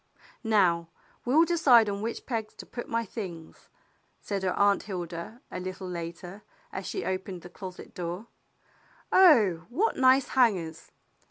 "Now we'll decide on which pegs to put my things," said her Aunt Hilda, a little later, as she opened the closet door. "Oh, what nice hangers!